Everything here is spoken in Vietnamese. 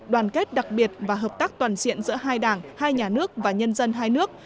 đoàn kết đặc biệt và hợp tác toàn diện giữa hai đảng hai nhà nước và nhân dân hai nước